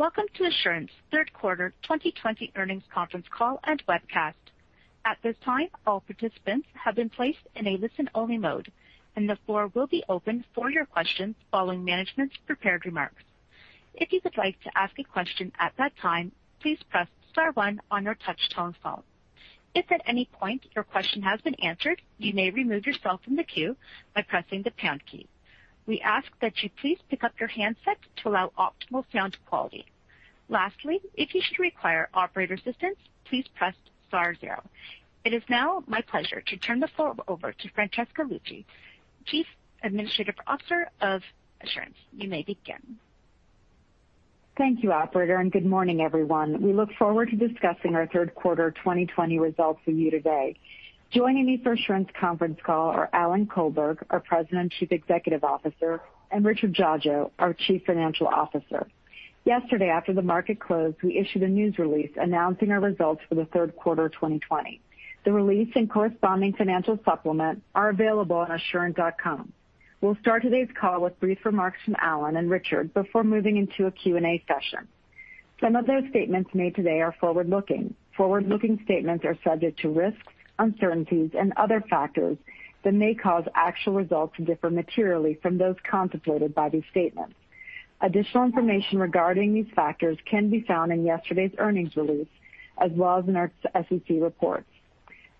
Welcome to Assurant's third quarter 2020 earnings conference call and webcast. It is now my pleasure to turn the floor over to Francesca Luthi, Chief Administrative Officer of Assurant. You may begin. Thank you, operator, and good morning, everyone. We look forward to discussing our third quarter 2020 results with you today. Joining me for Assurant's conference call are Alan Colberg, our President and Chief Executive Officer, and Richard Dziadzio, our Chief Financial Officer. Yesterday, after the market closed, we issued a news release announcing our results for the third quarter 2020. The release and corresponding financial supplement are available on assurant.com. We'll start today's call with brief remarks from Alan and Richard before moving into a Q&A session. Some of those statements made today are forward-looking. Forward-looking statements are subject to risks, uncertainties, and other factors that may cause actual results to differ materially from those contemplated by these statements. Additional information regarding these factors can be found in yesterday's earnings release, as well as in our SEC reports.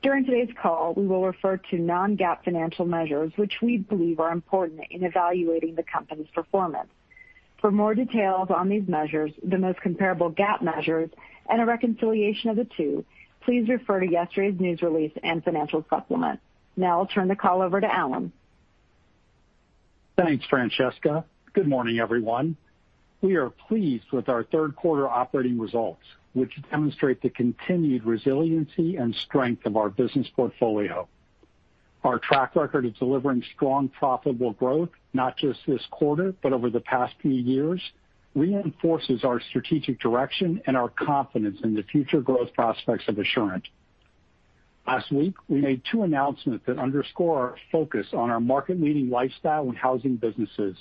During today's call, we will refer to non-GAAP financial measures which we believe are important in evaluating the company's performance. For more details on these measures, the most comparable GAAP measures, and a reconciliation of the two, please refer to yesterday's news release and financial supplement. I'll turn the call over to Alan. Thanks, Francesca. Good morning, everyone. We are pleased with our third quarter operating results, which demonstrate the continued resiliency and strength of our business portfolio. Our track record of delivering strong, profitable growth, not just this quarter, but over the past few years, reinforces our strategic direction and our confidence in the future growth prospects of Assurant. Last week, we made two announcements that underscore our focus on our market-leading lifestyle and housing businesses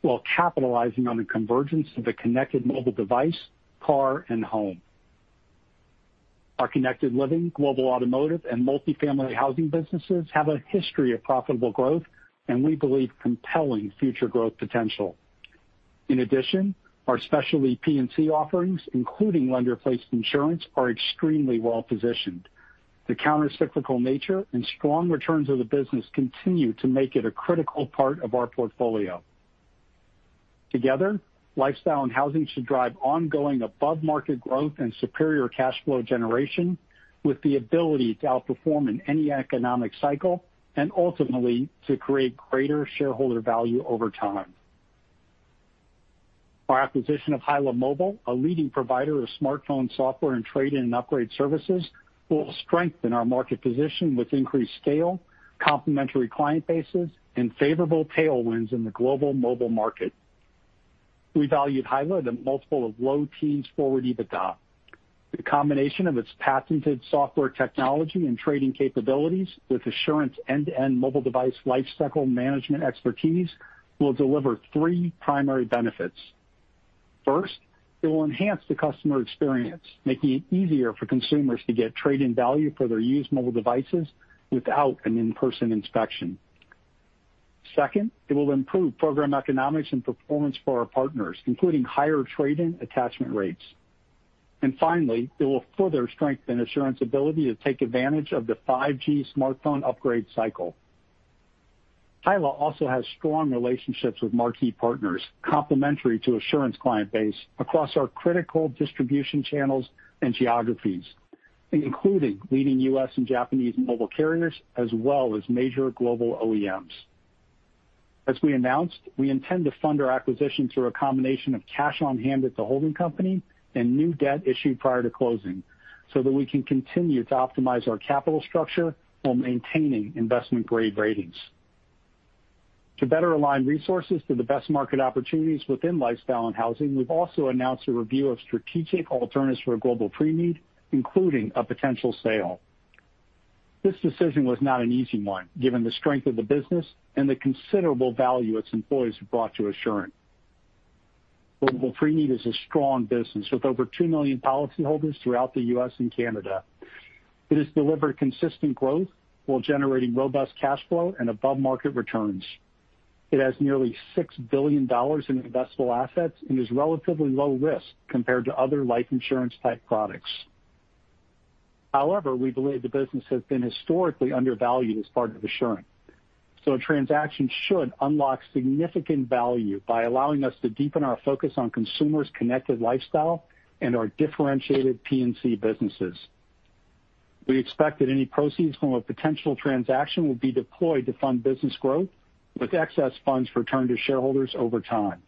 while capitalizing on the convergence of the connected mobile device, car, and home. Our Connected Living, Global Automotive, and Multifamily Housing businesses have a history of profitable growth and we believe compelling future growth potential. Our specialty P&C offerings, including Lender-Placed Insurance, are extremely well-positioned. The counter-cyclical nature and strong returns of the business continue to make it a critical part of our portfolio. Together, lifestyle and housing should drive ongoing above-market growth and superior cash flow generation with the ability to outperform in any economic cycle and ultimately to create greater shareholder value over time. Our acquisition of HYLA Mobile, a leading provider of smartphone software and trade-in and upgrade services, will strengthen our market position with increased scale, complementary client bases, and favorable tailwinds in the global mobile market. We valued HYLA at a multiple of low teens forward EBITDA. The combination of its patented software technology and trading capabilities with Assurant's end-to-end mobile device lifecycle management expertise will deliver three primary benefits. First, it will enhance the customer experience, making it easier for consumers to get trade-in value for their used mobile devices without an in-person inspection. Second, it will improve program economics and performance for our partners, including higher trade-in attachment rates. Finally, it will further strengthen Assurant's ability to take advantage of the 5G smartphone upgrade cycle. HYLA also has strong relationships with marquee partners, complementary to Assurant's client base across our critical distribution channels and geographies, including leading U.S. and Japanese mobile carriers, as well as major global OEMs. As we announced, we intend to fund our acquisition through a combination of cash on hand at the holding company and new debt issued prior to closing so that we can continue to optimize our capital structure while maintaining investment-grade ratings. To better align resources to the best market opportunities within lifestyle and housing, we've also announced a review of strategic alternatives for Global Preneed, including a potential sale. This decision was not an easy one, given the strength of the business and the considerable value its employees have brought to Assurant. Global Preneed is a strong business with over two million policyholders throughout the U.S. and Canada. It has delivered consistent growth while generating robust cash flow and above-market returns. It has nearly $6 billion in investable assets and is relatively low risk compared to other life insurance-type products. However, we believe the business has been historically undervalued as part of Assurant, a transaction should unlock significant value by allowing us to deepen our focus on consumers' connected lifestyle and our differentiated P&C businesses. We expect that any proceeds from a potential transaction will be deployed to fund business growth, with excess funds returned to shareholders over time.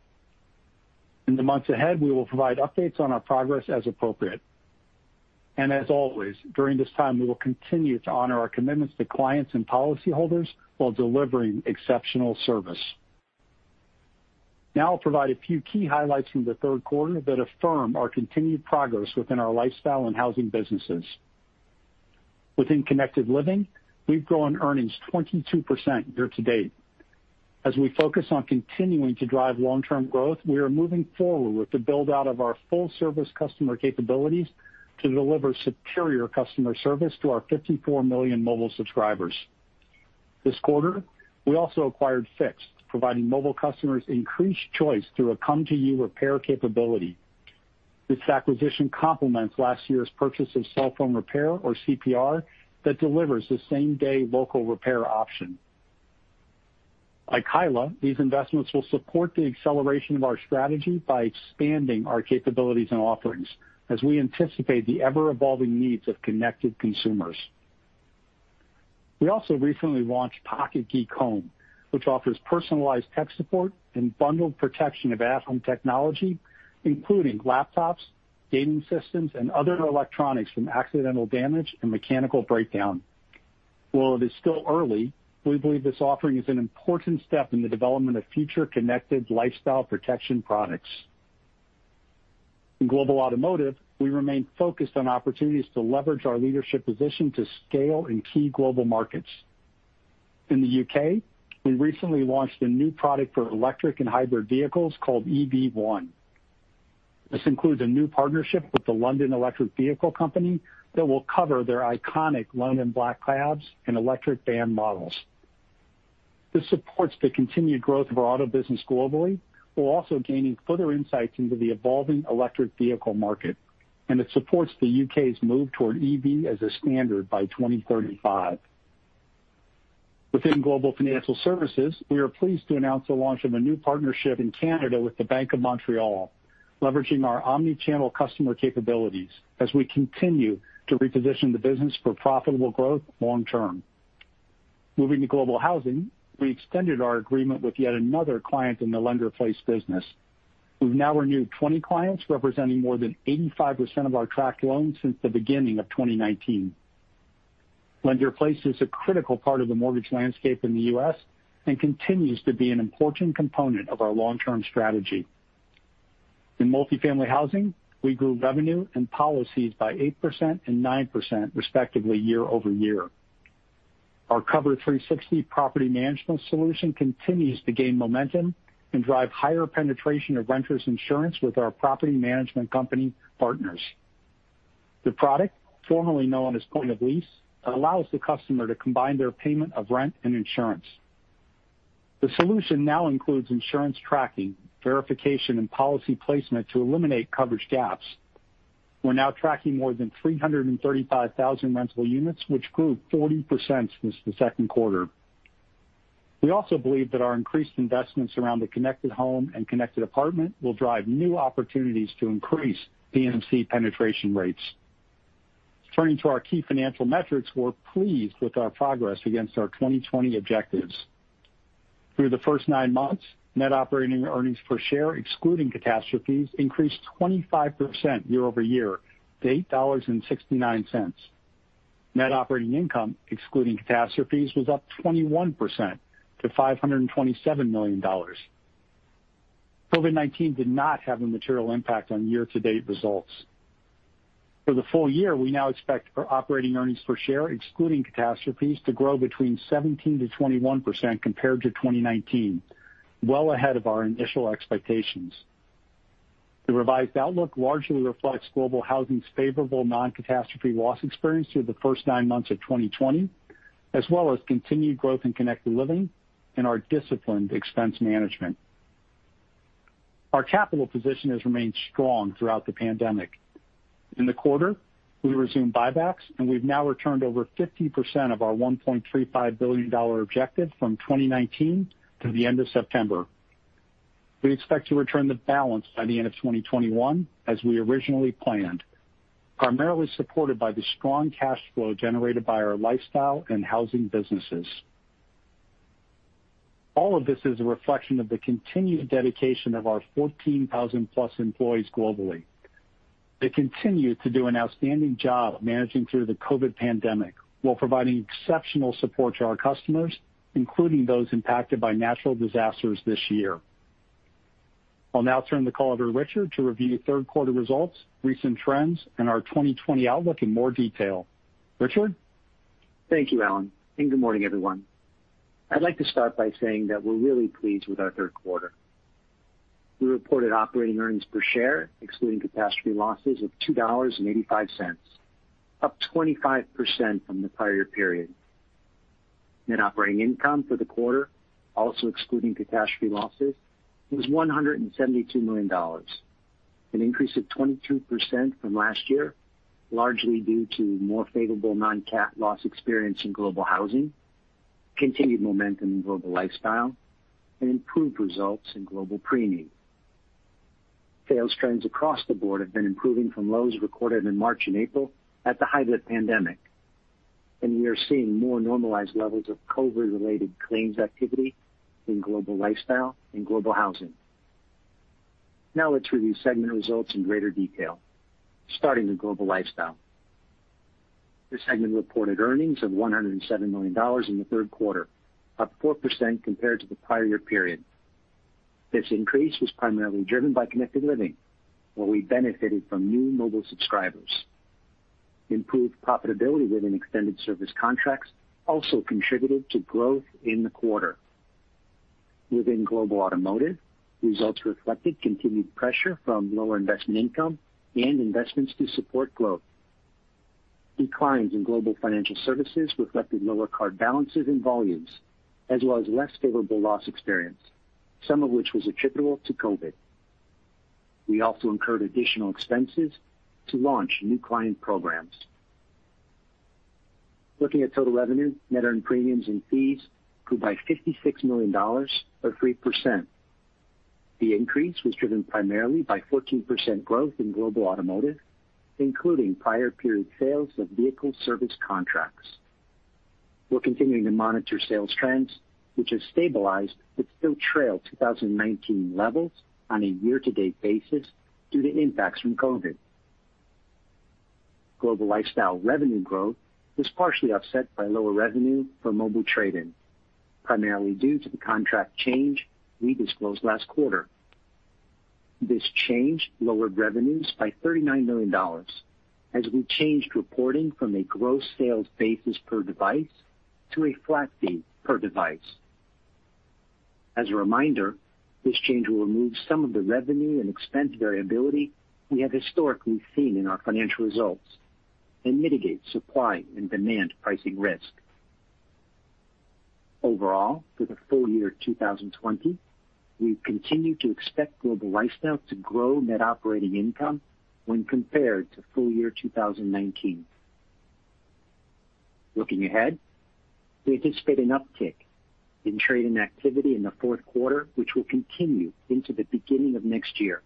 In the months ahead, we will provide updates on our progress as appropriate. As always, during this time, we will continue to honor our commitments to clients and policyholders while delivering exceptional service. Now I'll provide a few key highlights from the third quarter that affirm our continued progress within our Lifestyle and Housing businesses. Within Connected Living, we've grown earnings 22% year-to-date. As we focus on continuing to drive long-term growth, we are moving forward with the build-out of our full-service customer capabilities to deliver superior customer service to our 54 million mobile subscribers. This quarter, we also acquired Fixt, providing mobile customers increased choice through a come-to-you repair capability. This acquisition complements last year's purchase of Cell Phone Repair, or CPR, that delivers the same-day local repair option. Like HYLA, these investments will support the acceleration of our strategy by expanding our capabilities and offerings as we anticipate the ever-evolving needs of connected consumers. We also recently launched Pocket Geek Home, which offers personalized tech support and bundled protection of at-home technology, including laptops, gaming systems, and other electronics from accidental damage and mechanical breakdown. While it is still early, we believe this offering is an important step in the development of future connected lifestyle protection products. In Global Automotive, we remain focused on opportunities to leverage our leadership position to scale in key global markets. In the U.K., we recently launched a new product for electric and hybrid vehicles called EV One. This includes a new partnership with the London Electric Vehicle Company that will cover their iconic London Black Cabs and electric van models. This supports the continued growth of our auto business globally, while also gaining further insights into the evolving electric vehicle market, and it supports the U.K.'s move toward EV as a standard by 2035. Within Global Financial Services, we are pleased to announce the launch of a new partnership in Canada with the Bank of Montreal, leveraging our omni-channel customer capabilities as we continue to reposition the business for profitable growth long term. Moving to Global Housing, we extended our agreement with yet another client in the Lender-Placed business. We've now renewed 20 clients, representing more than 85% of our tracked loans since the beginning of 2019. Lender-Placed is a critical part of the mortgage landscape in the U.S. and continues to be an important component of our long-term strategy. In Multifamily Housing, we grew revenue and policies by 8% and 9%, respectively, year-over-year. Our Cover360 property management solution continues to gain momentum and drive higher penetration of Renters Insurance with our property management company partners. The product, formerly known as Point of Lease, allows the customer to combine their payment of rent and insurance. The solution now includes insurance tracking, verification, and policy placement to eliminate coverage gaps. We're now tracking more than 335,000 rental units, which grew 40% since the second quarter. We also believe that our increased investments around the connected home and connected apartment will drive new opportunities to increase PMC penetration rates. Turning to our key financial metrics, we're pleased with our progress against our 2020 objectives. Through the first nine months, net operating earnings per share, excluding catastrophes, increased 25% year-over-year to $8.69. Net operating income, excluding catastrophes, was up 21% to $527 million. COVID-19 did not have a material impact on year-to-date results. For the full year, we now expect our operating earnings per share, excluding catastrophes, to grow between 17%-21% compared to 2019, well ahead of our initial expectations. The revised outlook largely reflects Global Housing's favorable non-catastrophe loss experience through the first nine months of 2020, as well as continued growth in Connected Living and our disciplined expense management. Our capital position has remained strong throughout the pandemic. In the quarter, we resumed buybacks, and we've now returned over 50% of our $1.35 billion objective from 2019 through the end of September. We expect to return the balance by the end of 2021 as we originally planned, primarily supported by the strong cash flow generated by our Lifestyle and Housing businesses. All of this is a reflection of the continued dedication of our 14,000+ employees globally. They continue to do an outstanding job managing through the COVID-19 pandemic while providing exceptional support to our customers, including those impacted by natural disasters this year. I'll now turn the call over to Richard to review third quarter results, recent trends, and our 2020 outlook in more detail. Richard? Thank you, Alan, and good morning, everyone. I'd like to start by saying that we're really pleased with our third quarter. We reported operating earnings per share, excluding catastrophe losses, of $2.85, up 25% from the prior period. Net operating income for the quarter, also excluding catastrophe losses, was $172 million, an increase of 22% from last year, largely due to more favorable non-CAT loss experience in Global Housing, continued momentum in Global Lifestyle, and improved results in Global Preneed. Sales trends across the board have been improving from lows recorded in March and April at the height of the pandemic, and we are seeing more normalized levels of COVID-related claims activity in Global Lifestyle and Global Housing. Now let's review segment results in greater detail, starting with Global Lifestyle. This segment reported earnings of $107 million in the third quarter, up 4% compared to the prior year period. This increase was primarily driven by Connected Living, where we benefited from new mobile subscribers. Improved profitability within extended service contracts also contributed to growth in the quarter. Within Global Automotive, results reflected continued pressure from lower investment income and investments to support growth. Declines in Global Financial Services reflected lower card balances and volumes, as well as less favorable loss experience, some of which was attributable to COVID. We also incurred additional expenses to launch new client programs. Looking at total revenue, net earned premiums and fees grew by $56 million or 3%. The increase was driven primarily by 14% growth in Global Automotive, including prior period sales of vehicle service contracts. We're continuing to monitor sales trends, which have stabilized but still trail 2019 levels on a year-to-date basis due to impacts from COVID-19. Global Lifestyle revenue growth was partially offset by lower revenue for mobile trade-in, primarily due to the contract change we disclosed last quarter. This change lowered revenues by $39 million as we changed reporting from a gross sales basis per device to a flat fee per device. As a reminder, this change will remove some of the revenue and expense variability we have historically seen in our financial results and mitigate supply and demand pricing risk. Overall, for the full year 2020, we continue to expect Global Lifestyle to grow net operating income when compared to full year 2019. Looking ahead, we anticipate an uptick in trading activity in the fourth quarter, which will continue into the beginning of next year.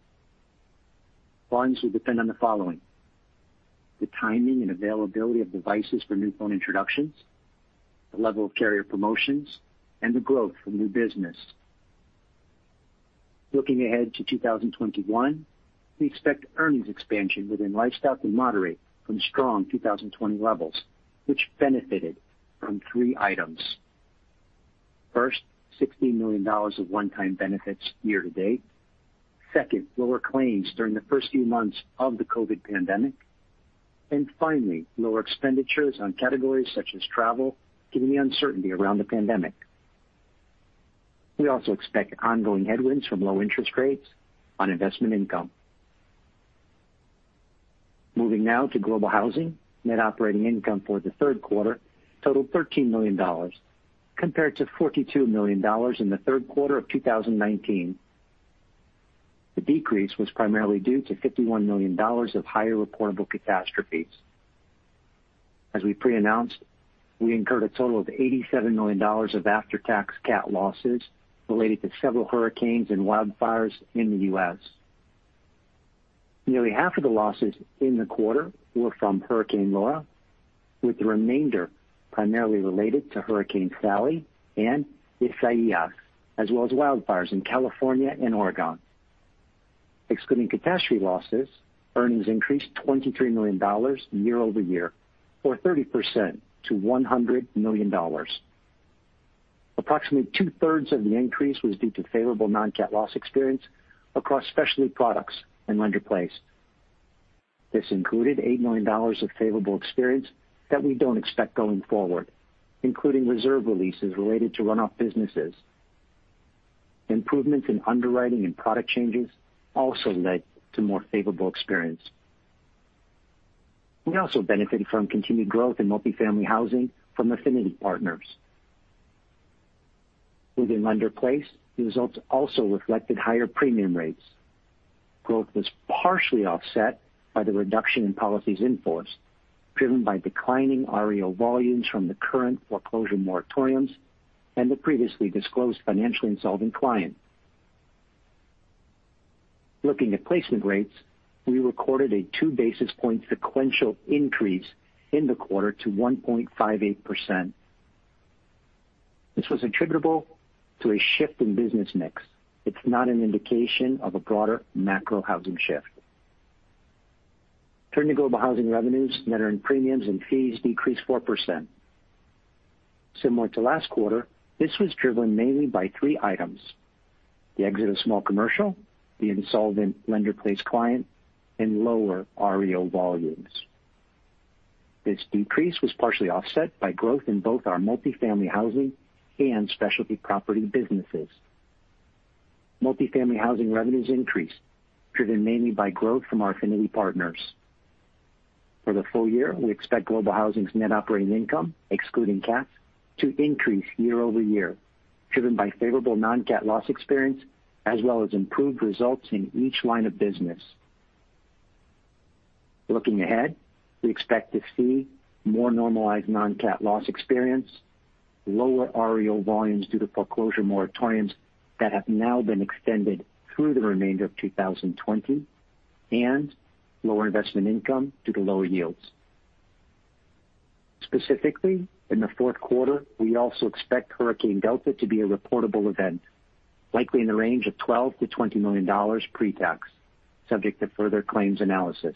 Volumes will depend on the following. The timing and availability of devices for new phone introductions, the level of carrier promotions, and the growth from new business. Looking ahead to 2021, we expect earnings expansion within Lifestyle to moderate from strong 2020 levels, which benefited from three items. First, $16 million of one-time benefits year to date. Second, lower claims during the first few months of the COVID-19 pandemic. Finally, lower expenditures on categories such as travel due to the uncertainty around the pandemic. We also expect ongoing headwinds from low interest rates on investment income. Moving now to Global Housing, Net Operating Income for the third quarter totaled $13 million, compared to $42 million in the third quarter of 2019. The decrease was primarily due to $51 million of higher reportable catastrophes. As we pre-announced, we incurred a total of $87 million of after-tax CAT losses related to several hurricanes and wildfires in the U.S. Nearly half of the losses in the quarter were from Hurricane Laura, with the remainder primarily related to Hurricane Sally and Isaias, as well as wildfires in California and Oregon. Excluding catastrophe losses, earnings increased $23 million year over year or 30% to $100 million. Approximately two-thirds of the increase was due to favorable non-CAT loss experience across specialty products and lender-placed. This included $8 million of favorable experience that we don't expect going forward, including reserve releases related to run-off businesses. Improvements in underwriting and product changes also led to more favorable experience. We also benefited from continued growth in Multifamily Housing from affinity partners. Within lender-placed, the results also reflected higher premium rates. Growth was partially offset by the reduction in policies in force, driven by declining REO volumes from the current foreclosure moratoriums and the previously disclosed financially insolvent client. Looking at placement rates, we recorded a two-basis point sequential increase in the quarter to 1.58%. This was attributable to a shift in business mix. It's not an indication of a broader macro housing shift. Turning to Global Housing revenues, net earned premiums and fees decreased 4%. Similar to last quarter, this was driven mainly by three items: the exit of small commercial, the insolvent lender-placed client, and lower REO volumes. This decrease was partially offset by growth in both our Multifamily Housing and specialty property businesses. Multifamily Housing revenues increased, driven mainly by growth from our affinity partners. For the full year, we expect Global Housing's net operating income, excluding cats, to increase year-over-year, driven by favorable non-CAT loss experience, as well as improved results in each line of business. Looking ahead, we expect to see more normalized non-CAT loss experience, lower REO volumes due to foreclosure moratoriums that have now been extended through the remainder of 2020, and lower investment income due to lower yields. Specifically, in the fourth quarter, we also expect Hurricane Delta to be a reportable event, likely in the range of $12 million-$20 million pre-tax, subject to further claims analysis.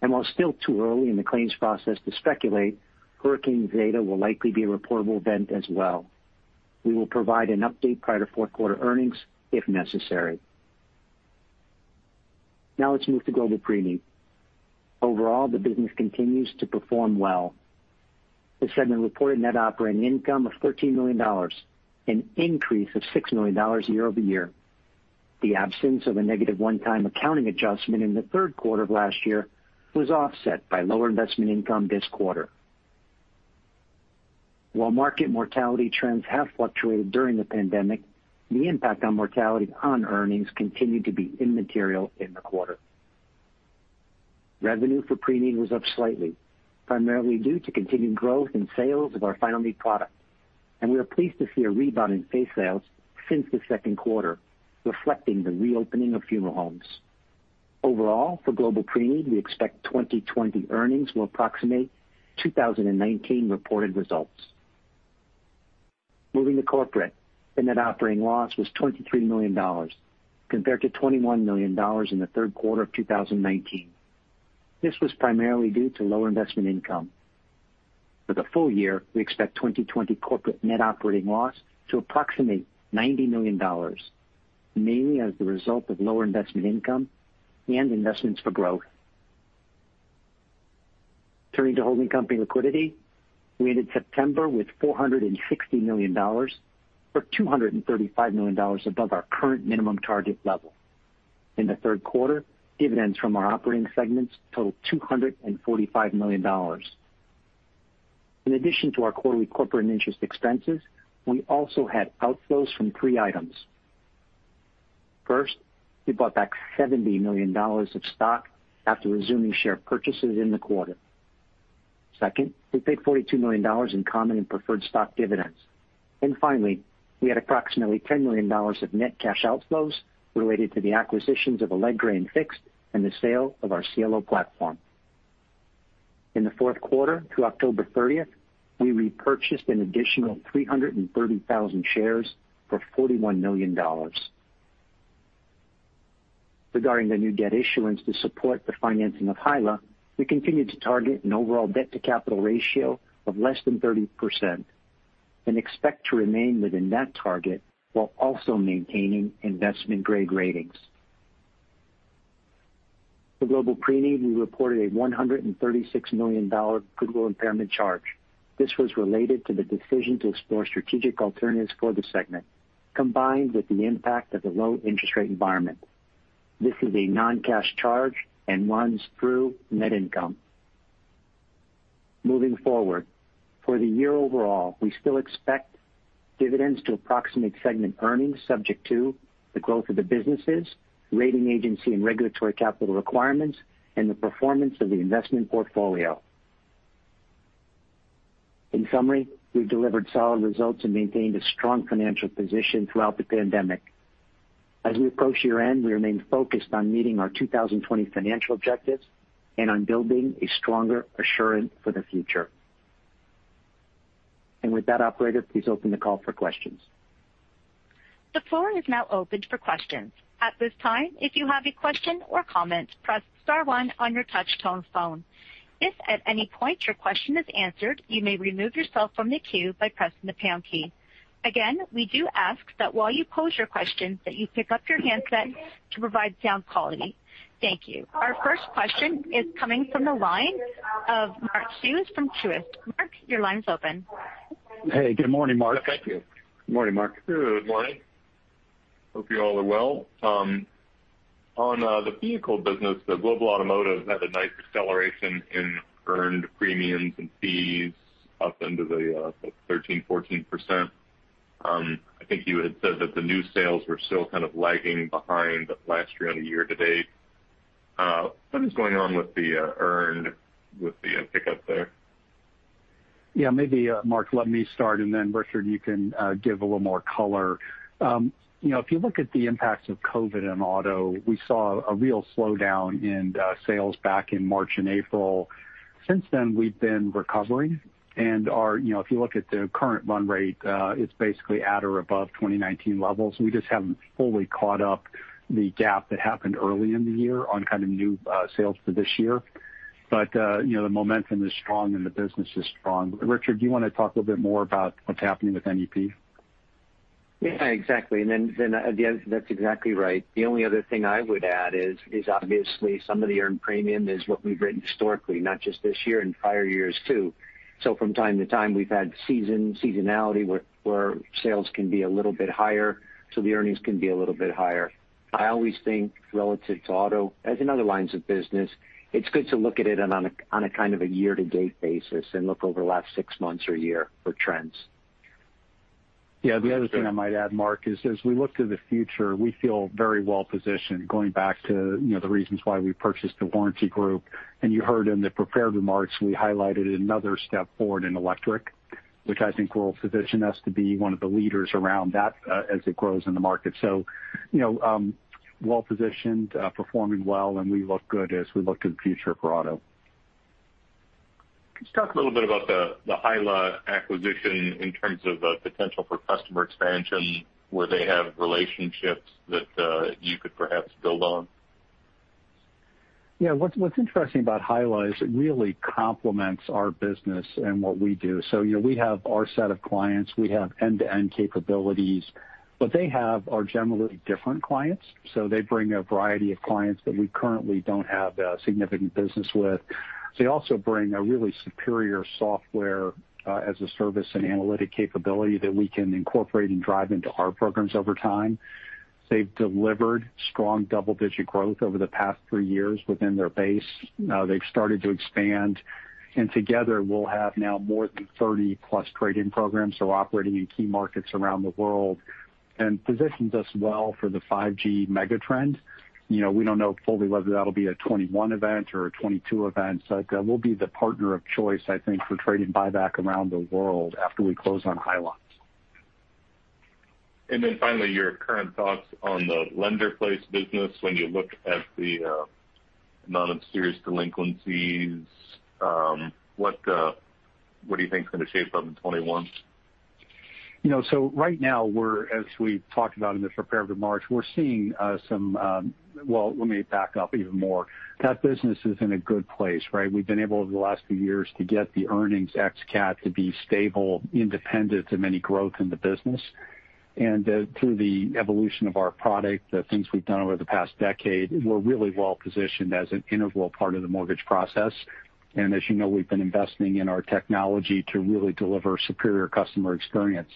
While it's still too early in the claims process to speculate, Hurricane Zeta will likely be a reportable event as well. We will provide an update prior to fourth quarter earnings if necessary. Let's move to Global Preneed. Overall, the business continues to perform well. The segment reported net operating income of $13 million, an increase of $6 million year-over-year. The absence of a negative one-time accounting adjustment in the third quarter of last year was offset by lower investment income this quarter. While market mortality trends have fluctuated during the pandemic, the impact on mortality on earnings continued to be immaterial in the quarter. Revenue for preneed was up slightly, primarily due to continued growth in sales of our final need product. We are pleased to see a rebound in face sales since the second quarter, reflecting the reopening of funeral homes. Overall, for Global Preneed, we expect 2020 earnings will approximate 2019 reported results. Moving to Corporate, the net operating loss was $23 million, compared to $21 million in the third quarter of 2019. This was primarily due to lower investment income. For the full year, we expect 2020 corporate net operating loss to approximate $90 million, mainly as the result of lower investment income and investments for growth. Turning to holding company liquidity, we ended September with $460 million, or $235 million above our current minimum target level. In the third quarter, dividends from our operating segments totaled $245 million. In addition to our quarterly corporate interest expenses, we also had outflows from three items. First, we bought back $70 million of stock after resuming share purchases in the quarter. Second, we paid $42 million in common and preferred stock dividends. Finally, we had approximately $10 million of net cash outflows related to the acquisitions of Alegre and Fixt and the sale of our CLO platform. In the fourth quarter to October 30th, we repurchased an additional 330,000 shares for $41 million. Regarding the new debt issuance to support the financing of HYLA, we continue to target an overall debt to capital ratio of less than 30% and expect to remain within that target while also maintaining investment-grade ratings. For Global Preneed, we reported a $136 million goodwill impairment charge. This was related to the decision to explore strategic alternatives for the segment, combined with the impact of the low interest rate environment. This is a non-cash charge and runs through net income. Moving forward, for the year overall, we still expect dividends to approximate segment earnings subject to the growth of the businesses, rating agency and regulatory capital requirements, and the performance of the investment portfolio. In summary, we've delivered solid results and maintained a strong financial position throughout the pandemic. As we approach year-end, we remain focused on meeting our 2020 financial objectives and on building a stronger Assurant for the future. With that, operator, please open the call for questions. The floor is now open for questions. At this time, if you have a question or comments, press star one on your touchtone phone. If at any point your question is answered, you may remove yourself from the queue by pressing the pound key. Again, we do ask that while you pose your questions, that you pick up your handset to provide sound quality. Thank you. Our first question is coming from the line of Mark Hughes from Truist. Mark, your line's open. Hey, good morning, Mark. Thank you. Good morning, Mark. Good morning. Hope you all are well. On the vehicle business, the Global Automotive had a nice acceleration in earned premiums and fees up into the 13%-14%. I think you had said that the new sales were still kind of lagging behind last year on the year-to-date. What is going on with the earned, with the pickup there? Yeah, maybe, Mark, let me start, and then Richard, you can give a little more color. If you look at the impacts of COVID-19 on auto, we saw a real slowdown in sales back in March and April. Since then, we've been recovering, and if you look at the current run rate, it's basically at or above 2019 levels. We just haven't fully caught up the gap that happened early in the year on kind of new sales for this year. The momentum is strong and the business is strong. Richard, do you want to talk a little bit more about what's happening with NEP? Yeah, exactly. Again, that's exactly right. The only other thing I would add is obviously some of the earned premium is what we've written historically, not just this year, in prior years, too. From time to time, we've had seasonality where sales can be a little bit higher, so the earnings can be a little bit higher. I always think relative to auto, as in other lines of business, it's good to look at it on a kind of a year-to-date basis and look over the last six months or one year for trends. Yeah. The other thing I might add, Mark, is as we look to the future, we feel very well positioned going back to the reasons why we purchased The Warranty Group. You heard in the prepared remarks, we highlighted another step forward in electric, which I think will position us to be one of the leaders around that as it grows in the market. Well-positioned, performing well, and we look good as we look to the future for auto. Can you talk a little bit about the HYLA acquisition in terms of potential for customer expansion, where they have relationships that you could perhaps build on? What's interesting about HYLA is it really complements our business and what we do. We have our set of clients. We have end-to-end capabilities. What they have are generally different clients, so they bring a variety of clients that we currently don't have a significant business with. They also bring a really superior software as a service and analytic capability that we can incorporate and drive into our programs over time. They've delivered strong double-digit growth over the past three years within their base. Now they've started to expand, and together we'll have now more than 30+ trade-in programs, so operating in key markets around the world, and positions us well for the 5G mega trend. We don't know fully whether that'll be a 2021 event or a 2022 event. We'll be the partner of choice, I think, for trade-in buyback around the world after we close on HYLA. Finally, your current thoughts on the Lender-Placed business when you look at the amount of serious delinquencies. What do you think is going to shape up in 2021? Right now, as we talked about in the prepared remarks, well, let me back up even more. That business is in a good place, right? We've been able, over the last few years, to get the earnings ex-CAT to be stable, independent of any growth in the business. Through the evolution of our product, the things we've done over the past decade, we're really well-positioned as an integral part of the mortgage process. As you know, we've been investing in our technology to really deliver superior customer experience.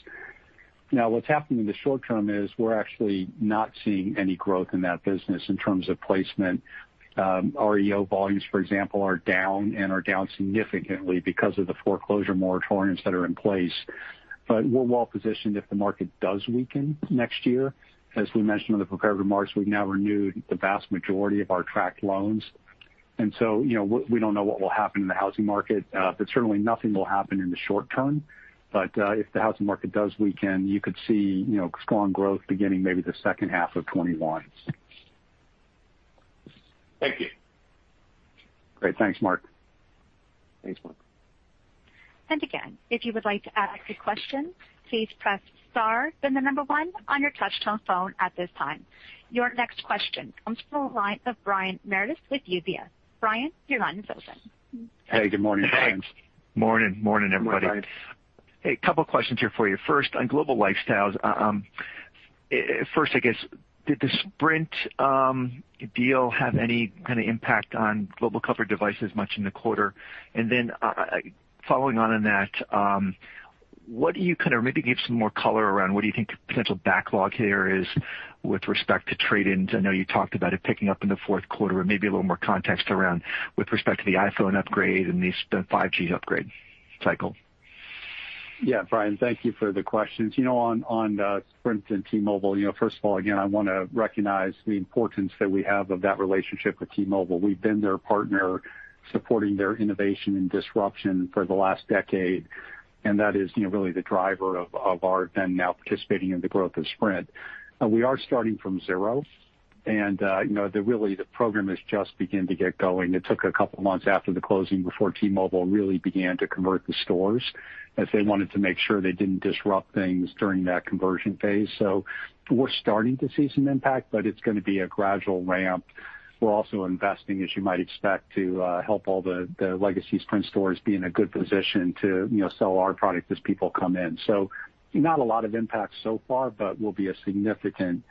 What's happening in the short term is we're actually not seeing any growth in that business in terms of placement. REO volumes, for example, are down and are down significantly because of the foreclosure moratoriums that are in place. We're well-positioned if the market does weaken next year. As we mentioned in the prepared remarks, we've now renewed the vast majority of our tracked loans. We don't know what will happen in the housing market. Certainly nothing will happen in the short term. If the housing market does weaken, you could see strong growth beginning maybe the second half of 2021. Thank you. Great. Thanks, Mark. Thanks, Mark. Your next question comes from the line of Brian Meredith with UBS. Brian, your line is open. Hey, good morning, friends. Morning. Morning, everybody. Morning, guys. Hey, a couple questions here for you. First, on Global Lifestyles. First, I guess, did the Sprint deal have any kind of impact on Global Connected Devices much in the quarter? Then following on that, maybe give some more color around what do you think potential backlog here is with respect to trade-ins. I know you talked about it picking up in the fourth quarter, and maybe a little more context around with respect to the iPhone upgrade and the 5G upgrade cycle. Yeah. Brian, thank you for the questions. On Sprint and T-Mobile, first of all, again, I want to recognize the importance that we have of that relationship with T-Mobile. That is really the driver of our then now participating in the growth of Sprint. We are starting from zero. Really the program has just began to get going. It took a couple of months after the closing before T-Mobile really began to convert the stores, as they wanted to make sure they didn't disrupt things during that conversion phase. We're starting to see some impact, but it's going to be a gradual ramp. We're also investing, as you might expect, to help all the legacy Sprint stores be in a good position to sell our product as people come in. Not a lot of impact so far, but will be a significant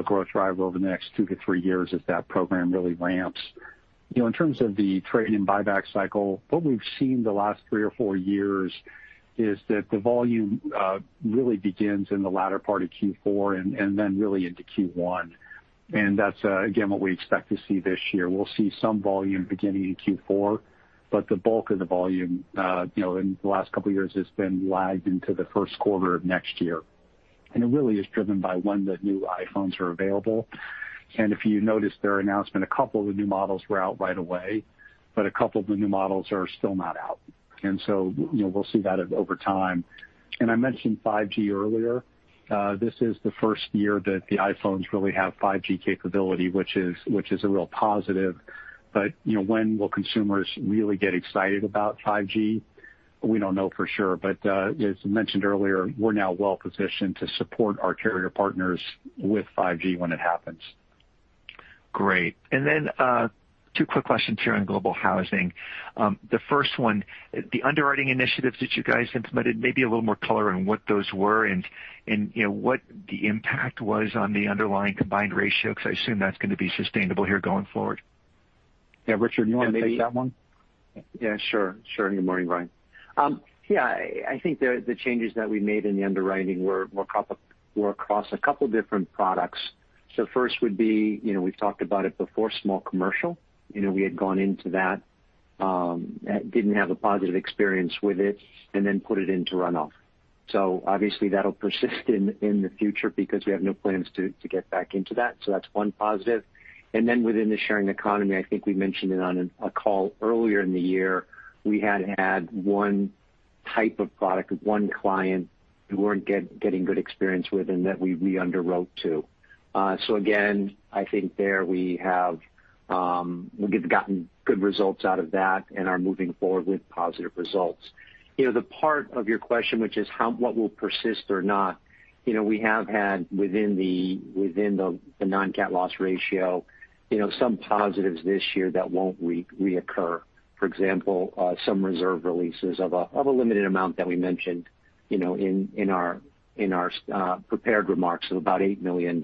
growth driver over the next two to three years as that program really ramps. In terms of the trade-in buyback cycle, what we've seen the last three or four years is that the volume really begins in the latter part of Q4 and then really into Q1. That's again, what we expect to see this year. We'll see some volume beginning in Q4, but the bulk of the volume in the last couple of years has been lagged into the first quarter of next year. It really is driven by when the new iPhones are available. If you noticed their announcement, a couple of the new models were out right away, but a couple of the new models are still not out. We'll see that over time. I mentioned 5G earlier. This is the first year that the iPhones really have 5G capability, which is a real positive. When will consumers really get excited about 5G? We don't know for sure. As mentioned earlier, we're now well-positioned to support our carrier partners with 5G when it happens. Great. Two quick questions here on Global Housing. The first one, the underwriting initiatives that you guys implemented, maybe a little more color on what those were and what the impact was on the underlying combined ratio, because I assume that's going to be sustainable here going forward. Yeah. Richard, you want to take that one? Good morning, Brian. I think the changes that we made in the underwriting were across a couple different products. First would be, we've talked about it before, small commercial. We had gone into that, didn't have a positive experience with it, and then put it into runoff. Obviously that'll persist in the future because we have no plans to get back into that. That's one positive. Within the sharing economy, I think we mentioned it on a call earlier in the year, we had had one type of product with one client we weren't getting good experience with and that we underwrote to. Again, I think there we have gotten good results out of that and are moving forward with positive results. The part of your question, which is what will persist or not, we have had within the non-CAT loss ratio, some positives this year that won't reoccur. For example, some reserve releases of a limited amount that we mentioned in our prepared remarks of about $8 million.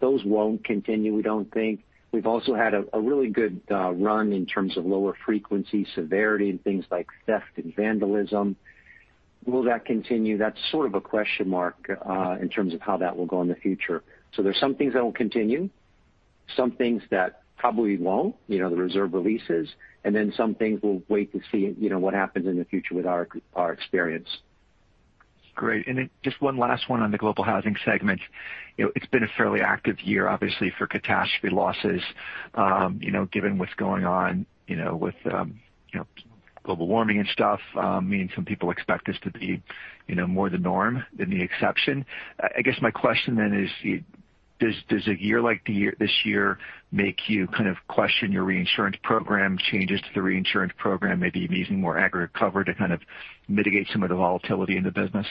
Those won't continue, we don't think. We've also had a really good run in terms of lower frequency severity in things like theft and vandalism. Will that continue? That's sort of a question mark in terms of how that will go in the future. There's some things that will continue, some things that probably won't, the reserve releases, and then some things we'll wait to see what happens in the future with our experience. Great. Just one last one on the Global Housing segment. It's been a fairly active year, obviously, for catastrophe losses, given what's going on with global warming and stuff, meaning some people expect this to be more the norm than the exception. I guess my question is, does a year like this year make you kind of question your reinsurance program, changes to the reinsurance program, maybe even using more aggregate cover to kind of mitigate some of the volatility in the business?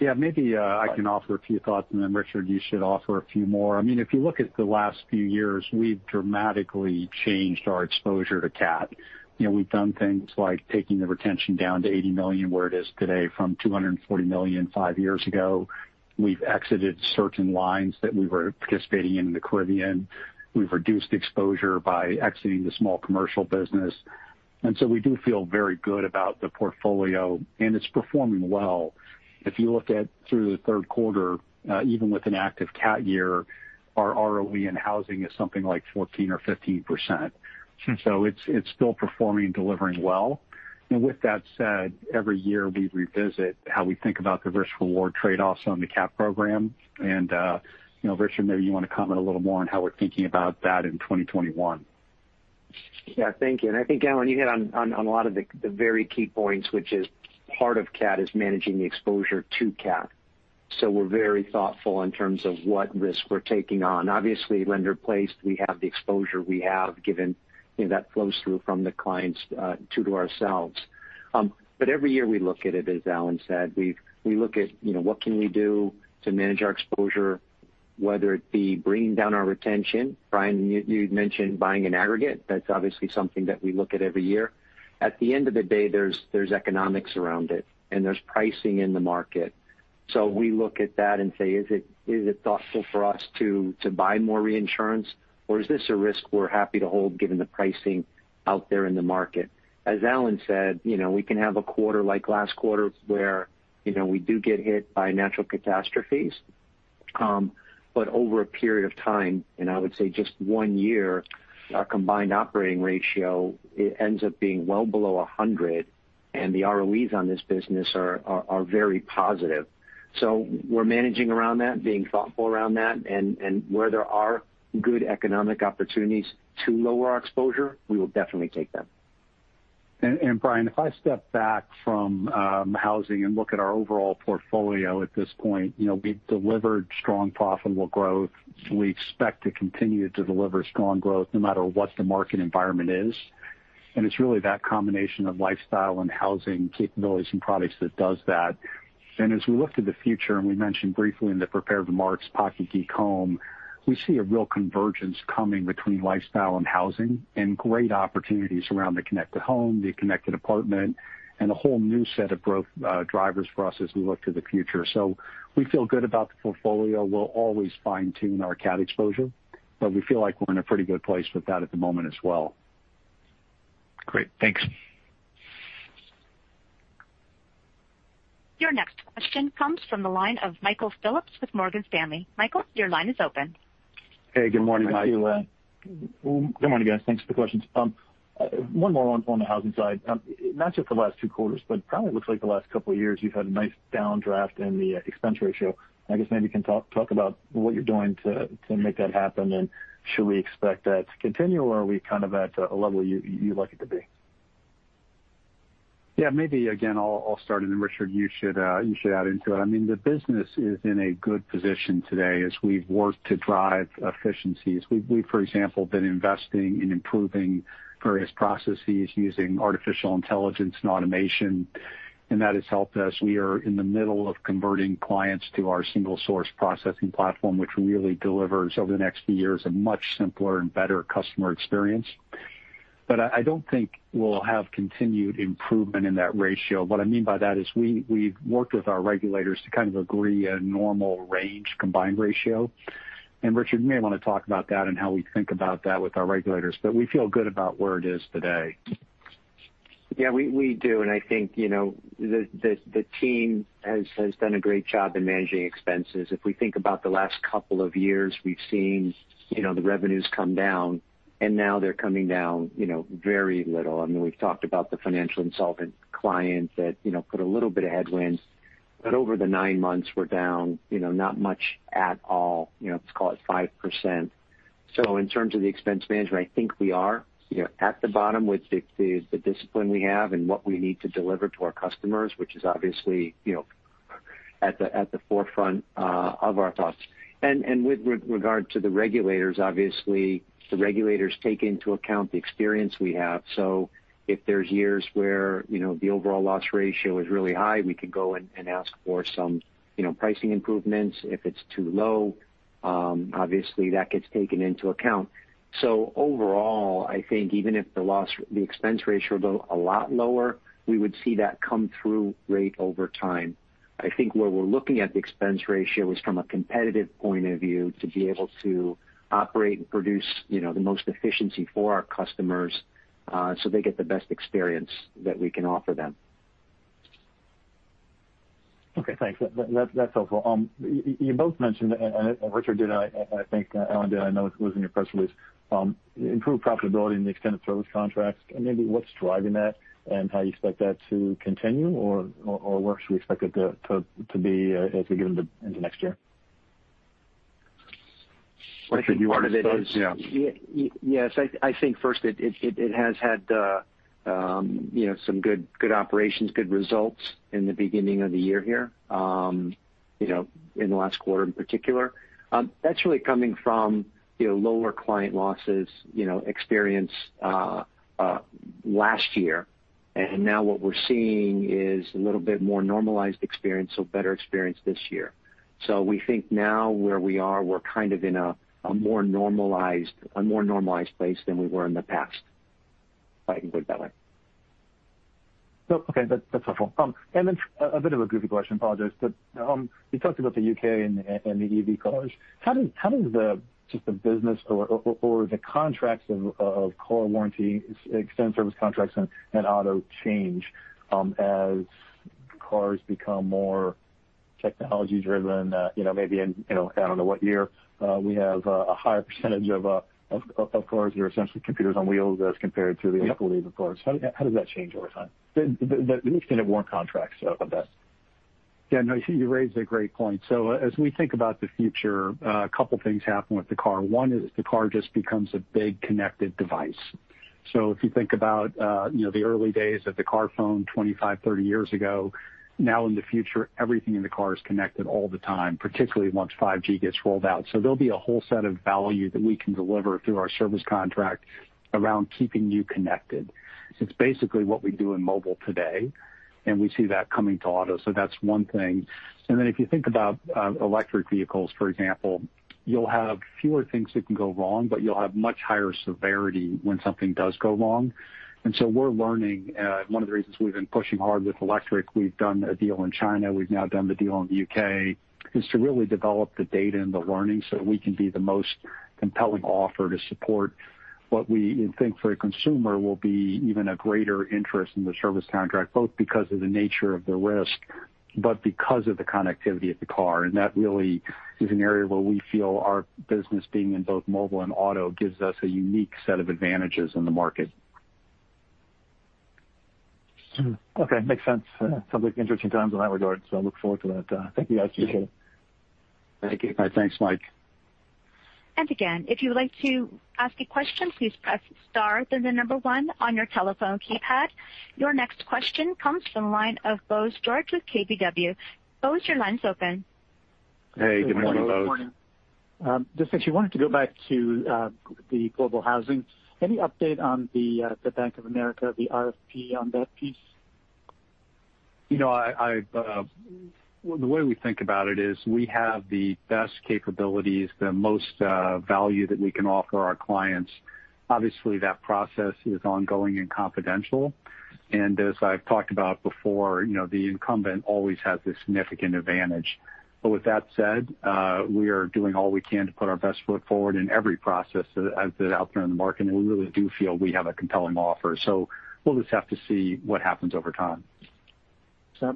Yeah, maybe I can offer a few thoughts and then Richard, you should offer a few more. If you look at the last few years, we've dramatically changed our exposure to CAT. We've done things like taking the retention down to $80 million, where it is today, from $240 million five years ago. We've exited certain lines that we were participating in the Caribbean. We've reduced exposure by exiting the small commercial business. We do feel very good about the portfolio, and it's performing well. If you look at through the third quarter, even with an active CAT year, our ROE in Housing is something like 14% or 15%. It's still performing and delivering well. With that said, every year we revisit how we think about the risk reward trade-offs on the CAT program. Richard, maybe you want to comment a little more on how we're thinking about that in 2021. Thank you. I think, Alan, you hit on a lot of the very key points, which is part of CAT is managing the exposure to CAT. We're very thoughtful in terms of what risks we're taking on. Obviously, lender placed, we have the exposure we have given that flows through from the clients to ourselves. Every year we look at it, as Alan said. We look at what can we do to manage our exposure, whether it be bringing down our retention. Brian, you'd mentioned buying an aggregate. That's obviously something that we look at every year. At the end of the day, there's economics around it and there's pricing in the market. We look at that and say, is it thoughtful for us to buy more reinsurance or is this a risk we're happy to hold given the pricing out there in the market? As Alan said, we can have a quarter like last quarter where we do get hit by natural catastrophes. Over a period of time, and I would say just one year, our combined operating ratio ends up being well below 100, and the ROEs on this business are very positive. We're managing around that, being thoughtful around that, and where there are good economic opportunities to lower our exposure, we will definitely take them. Brian, if I step back from Global Housing and look at our overall portfolio at this point, we've delivered strong, profitable growth. We expect to continue to deliver strong growth no matter what the market environment is. It's really that combination of Global Lifestyle and Global Housing capabilities and products that does that. As we look to the future, and we mentioned briefly in the prepared remarks, Pocket Geek Home, we see a real convergence coming between Global Lifestyle and Global Housing, and great opportunities around the connected home, the connected apartment, and a whole new set of growth drivers for us as we look to the future. We feel good about the portfolio. We'll always fine-tune our CAT exposure, but we feel like we're in a pretty good place with that at the moment as well. Great. Thanks. Your next question comes from the line of Michael Phillips with Morgan Stanley. Michael, your line is open. Hey, good morning, Mike. Thank you. Good morning, guys. Thanks for the questions. One more on the housing side. Not just the last two quarters, but probably looks like the last couple of years, you've had a nice downdraft in the expense ratio. I guess maybe you can talk about what you're doing to make that happen, and should we expect that to continue, or are we kind of at a level you'd like it to be? Yeah, maybe, again, I'll start and then Richard, you should add into it. The business is in a good position today as we've worked to drive efficiencies. We've, for example, been investing in improving various processes using artificial intelligence and automation, and that has helped us. We are in the middle of converting clients to our single-source processing platform, which really delivers over the next few years a much simpler and better customer experience. I don't think we'll have continued improvement in that ratio. What I mean by that is we've worked with our regulators to kind of agree a normal range combined operating ratio. Richard, you may want to talk about that and how we think about that with our regulators. We feel good about where it is today. Yeah, we do. I think the team has done a great job in managing expenses. If we think about the last couple of years, we've seen the revenues come down and now they're coming down very little. We've talked about the financial insolvent clients that put a little bit of headwind. Over the nine months, we're down not much at all. Let's call it 5%. In terms of the expense management, I think we are at the bottom with the discipline we have and what we need to deliver to our customers, which is obviously at the forefront of our thoughts. With regard to the regulators, obviously, the regulators take into account the experience we have. If there's years where the overall loss ratio is really high, we could go and ask for some pricing improvements. If it's too low, obviously, that gets taken into account. Overall, I think even if the expense ratio were a lot lower, we would see that come through rate over time. I think where we're looking at the expense ratio is from a competitive point of view to be able to operate and produce the most efficiency for our customers, so they get the best experience that we can offer them. Okay, thanks. That's helpful. You both mentioned, Richard did, I think Alan did, I know it was in your press release, improved profitability in the extended service contracts. Maybe what's driving that and how you expect that to continue or where should we expect it to be as we get into next year? I think part of it is. Richard, do you want to start? Yes. I think first it has had some good operations, good results in the beginning of the year here, in the last quarter in particular. That's really coming from lower client losses experienced last year. Now what we're seeing is a little bit more normalized experience, so better experience this year. We think now where we are, we're kind of in a more normalized place than we were in the past, if I can put it that way. Okay. That's helpful. Then a bit of a goofy question, apologies. You talked about the U.K. and the EV cars. How does just the business or the contracts of car warranty, extended service contracts and auto change as cars become more technology-driven? Maybe in, I don't know what year, we have a higher percentage of cars that are essentially computers on wheels as compared to the old fleet of cars. How does that change over time, the extended warranty contracts of that? You raised a great point. As we think about the future, a couple of things happen with the car. One is the car just becomes a big connected device. If you think about the early days of the car phone 25, 30 years ago, now in the future, everything in the car is connected all the time, particularly once 5G gets rolled out. There'll be a whole set of value that we can deliver through our service contract around keeping you connected. It's basically what we do in mobile today, and we see that coming to auto. That's one thing. Then if you think about electric vehicles, for example, you'll have fewer things that can go wrong, but you'll have much higher severity when something does go wrong. We're learning. One of the reasons we've been pushing hard with electric, we've done a deal in China, we've now done the deal in the U.K., is to really develop the data and the learning so we can be the most compelling offer to support what we think for a consumer will be even a greater interest in the service contract, both because of the nature of the risk, but because of the connectivity of the car. That really is an area where we feel our business being in both mobile and auto gives us a unique set of advantages in the market. Okay. Makes sense. Sounds like interesting times in that regard. I look forward to that. Thank you, guys. Appreciate it. Thank you. All right. Thanks, Mike. Again, if you would like to ask a question, please press star, then one on your telephone keypad. Your next question comes from the line of Bose George with KBW. Bose, your line's open. Hey, good morning, Bose. Good morning. Just actually wanted to go back to the Global Housing. Any update on the Bank of America, the RFP on that piece? The way we think about it is we have the best capabilities, the most value that we can offer our clients. Obviously, that process is ongoing and confidential. As I've talked about before, the incumbent always has the significant advantage. With that said, we are doing all we can to put our best foot forward in every process out there in the market, and we really do feel we have a compelling offer. We'll just have to see what happens over time.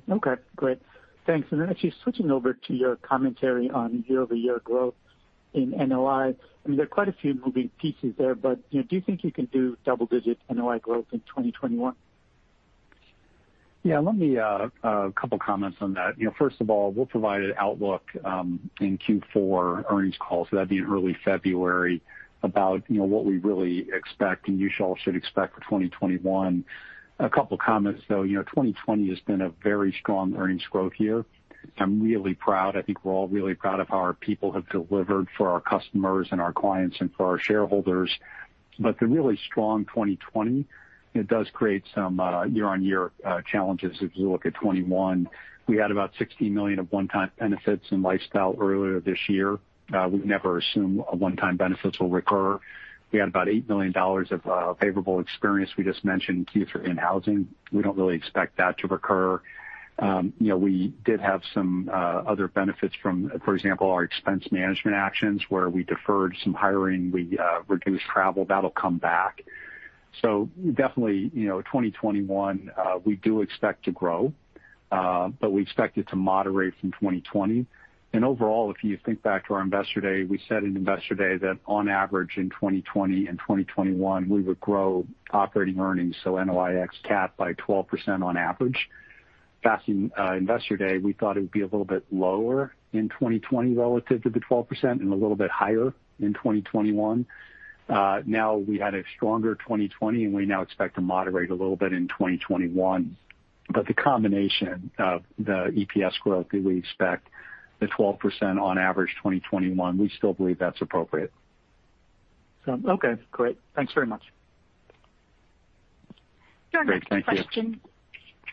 Okay, great. Thanks. Actually switching over to your commentary on year-over-year growth in NOI. There are quite a few moving pieces there, but do you think you can do double-digit NOI growth in 2021? Yeah. Let me a couple of comments on that. First of all, we'll provide an outlook in Q4 earnings call, so that'd be in early February, about what we really expect, and you all should expect for 2021. A couple of comments, though. 2020 has been a very strong earnings growth year. I'm really proud. I think we're all really proud of how our people have delivered for our customers and our clients and for our shareholders. The really strong 2020, it does create some year-on-year challenges as you look at 2021. We had about $16 million of one-time benefits in Lifestyle earlier this year. We've never assumed a one-time benefits will recur. We had about $8 million of favorable experience we just mentioned in Housing. We don't really expect that to recur. We did have some other benefits from, for example, our expense management actions, where we deferred some hiring, we reduced travel. That'll come back. Definitely, 2021, we do expect to grow, but we expect it to moderate from 2020. Overall, if you think back to our Investor Day, we said in Investor Day that on average in 2020 and 2021, we would grow operating earnings, so NOI ex-CAT, by 12% on average. Back in Investor Day, we thought it would be a little bit lower in 2020 relative to the 12% and a little bit higher in 2021. Now we had a stronger 2020, and we now expect to moderate a little bit in 2021. The combination of the EPS growth that we expect, the 12% on average 2021, we still believe that's appropriate. Okay, great. Thanks very much. Great. Thank you.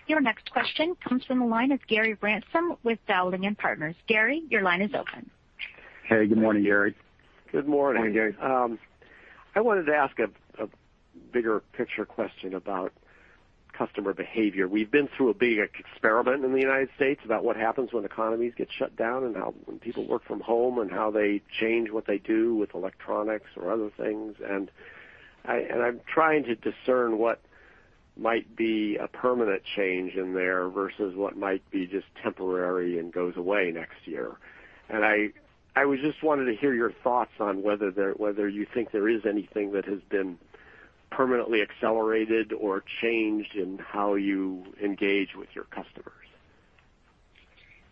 Your next question comes from the line of Gary Ransom with Dowling & Partners. Gary, your line is open. Hey, good morning, Gary. Good morning. Morning, Gary. I wanted to ask a bigger picture question about customer behavior. We've been through a big experiment in the U.S. about what happens when economies get shut down and how when people work from home and how they change what they do with electronics or other things. I'm trying to discern what might be a permanent change in there versus what might be just temporary and goes away next year. I just wanted to hear your thoughts on whether you think there is anything that has been permanently accelerated or changed in how you engage with your customers.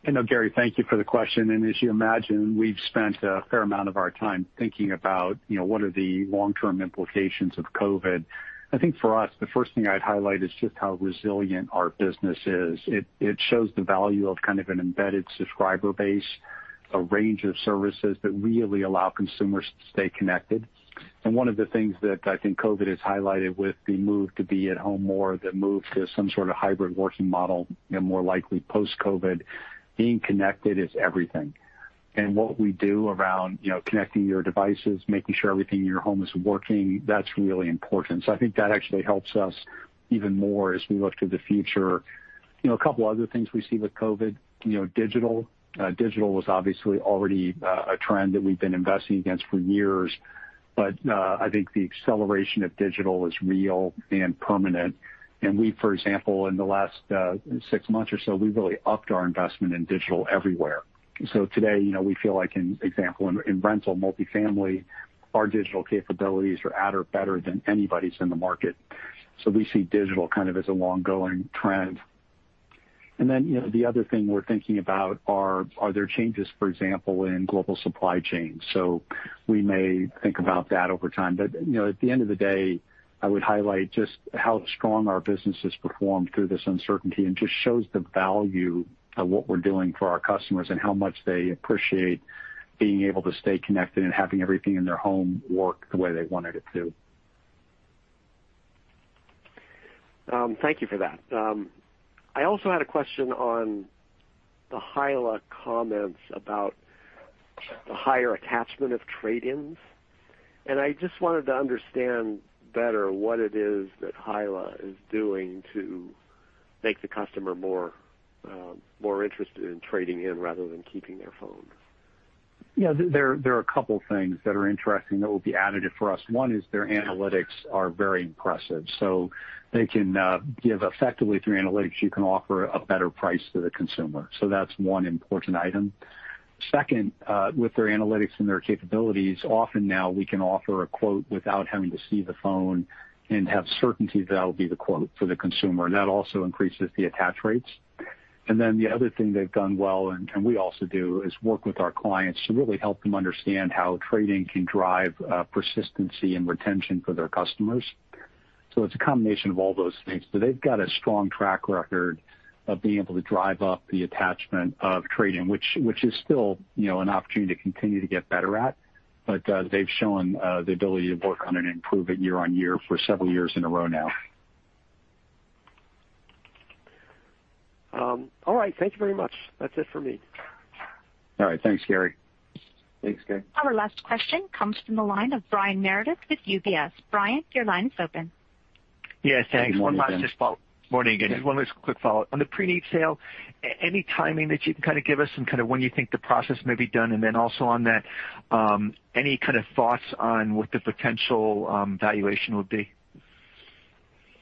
I know, Gary, thank you for the question. As you imagine, we've spent a fair amount of our time thinking about what are the long-term implications of COVID. I think for us, the first thing I'd highlight is just how resilient our business is. It shows the value of kind of an embedded subscriber base, a range of services that really allow consumers to stay connected. One of the things that I think COVID has highlighted with the move to be at home more, the move to some sort of hybrid working model, more likely post-COVID, being connected is everything. What we do around connecting your devices, making sure everything in your home is working, that's really important. I think that actually helps us even more as we look to the future. A couple other things we see with COVID, digital. Digital was obviously already a trend that we've been investing against for years. I think the acceleration of digital is real and permanent. We, for example, in the last six months or so, we've really upped our investment in digital everywhere. Today, we feel like in example, in Multifamily, our digital capabilities are at or better than anybody's in the market. We see digital kind of as an ongoing trend. The other thing we're thinking about are there changes, for example, in global supply chains? We may think about that over time. At the end of the day, I would highlight just how strong our business has performed through this uncertainty and just shows the value of what we're doing for our customers and how much they appreciate being able to stay connected and having everything in their home work the way they wanted it to. Thank you for that. I also had a question on the HYLA comments about the higher attachment of trade-ins, and I just wanted to understand better what it is that HYLA is doing to make the customer more interested in trading in rather than keeping their phones. Yeah, there are a couple things that are interesting that will be additive for us. One is their analytics are very impressive. They can give effectively through analytics, you can offer a better price to the consumer. That's one important item. Second, with their analytics and their capabilities, often now we can offer a quote without having to see the phone and have certainty that will be the quote for the consumer. That also increases the attach rates. Then the other thing they've done well, and we also do, is work with our clients to really help them understand how trading can drive persistency and retention for their customers. It's a combination of all those things, but they've got a strong track record of being able to drive up the attachment of trading, which is still an opportunity to continue to get better at. They've shown the ability to work on it and improve it year-over-year for several years in a row now. All right. Thank you very much. That's it for me. All right. Thanks, Gary. Thanks, Gary. Our last question comes from the line of Brian Meredith with UBS. Brian, your line is open. Yes, thanks. Morning, Brian. Morning again. Just one last quick follow-up. On the Preneed sale, any timing that you can kind of give us and kind of when you think the process may be done? Also on that, any kind of thoughts on what the potential valuation would be?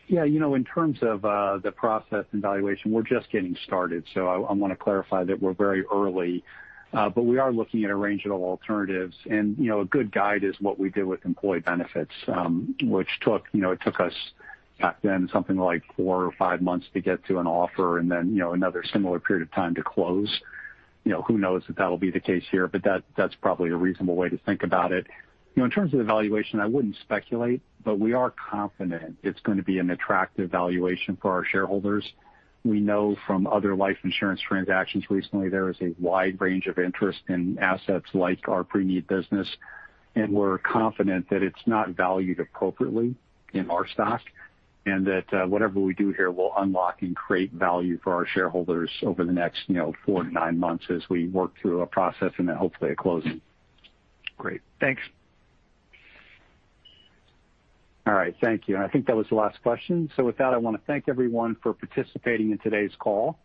Yeah. In terms of the process and valuation, we're just getting started. I want to clarify that we're very early. We are looking at a range of alternatives and a good guide is what we did with Employee Benefits, which it took us back then something like four or five months to get to an offer and then another similar period of time to close. Who knows if that'll be the case here, but that's probably a reasonable way to think about it. In terms of the valuation, I wouldn't speculate, but we are confident it's going to be an attractive valuation for our shareholders. We know from other life insurance transactions recently, there is a wide range of interest in assets like our Preneed Business, and we're confident that it's not valued appropriately in our stock, and that whatever we do here will unlock and create value for our shareholders over the next four to nine months as we work through a process and then hopefully a closing. Great. Thanks. All right. Thank you. I think that was the last question. With that, I want to thank everyone for participating in today's call.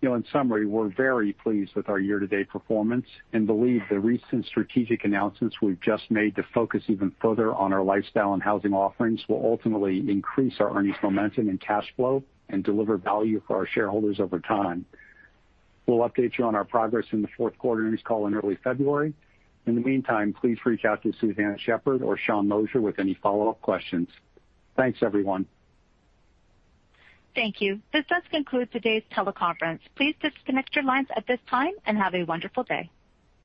In summary, we're very pleased with our year-to-date performance and believe the recent strategic announcements we've just made to focus even further on our Lifestyle and Housing offerings will ultimately increase our earnings momentum and cash flow and deliver value for our shareholders over time. We'll update you on our progress in the fourth quarter earnings call in early February. In the meantime, please reach out to Suzanne Shepherd or Sean Moshier with any follow-up questions. Thanks, everyone. Thank you. This does conclude today's teleconference. Please disconnect your lines at this time and have a wonderful day.